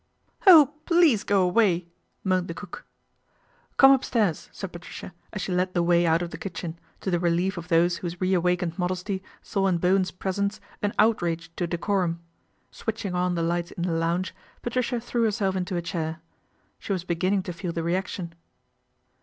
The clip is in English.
" Oh, please go away !" moaned the cook. " Come upstairs," said Patricia as she led the way out of the kitchen, to the relief of those whose reawakened modesty saw in Bowen's presence an outrage to decorum. Switching on the light in the lounge, Patricia threw herself into a chair. She was beginning to feel the reaction.